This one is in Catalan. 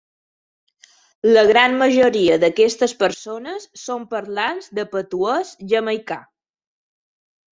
La gran majoria d'aquestes persones són parlants de patuès jamaicà.